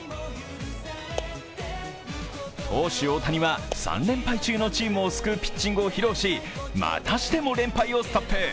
投手・大谷は３連敗中のチームを救うピッチングを披露しまたしても連敗をストップ。